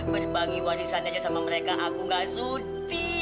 berbangi warisannya sama mereka aku gak sudi